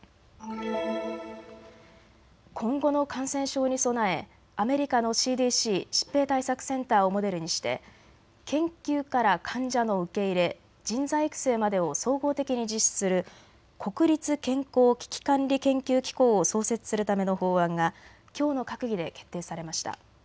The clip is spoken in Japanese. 今後の感染症に備えアメリカのＣＤＣ・疾病対策センターをモデルにして研究から患者の受け入れ、人材育成までを総合的に実施する国立健康危機管理研究機構を創設するための法案がきょうの閣議で決定されました。